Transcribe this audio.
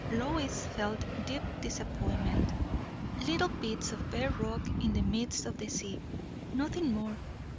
Lois felt deep disappointment. Little bits of bare rock in the midst of the sea; nothing more.